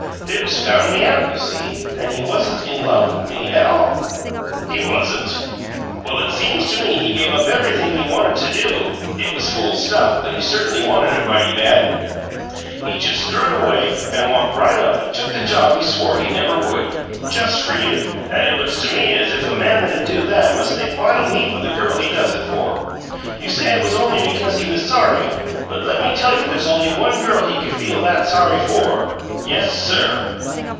Bibbs found me out, you see; and he wasn't 'in love' with me at all." "He wasn't? Well, it seems to me he gave up everything he wanted to do it was fool stuff, but he certainly wanted it mighty bad he just threw it away and walked right up and took the job he swore he never would just for you. And it looks to me as if a man that'd do that must think quite a heap o' the girl he does it for! You say it was only because he was sorry, but let me tell you there's only ONE girl he could feel THAT sorry for! Yes, sir!"